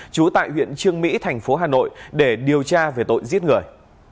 trú tại huyện trương mỹ thành phố hà nội để điều tra về tội giết người